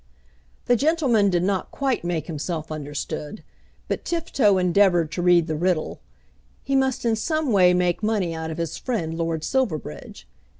The gentleman did not quite make himself understood; but Tifto endeavoured to read the riddle. He must in some way make money out of his friend Lord Silverbridge.